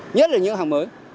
nhất là những hàng mới